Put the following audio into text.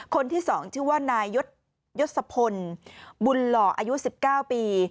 คนที่๒ชื่อว่านายยศพลบุญหล่ออายุ๑๙ปี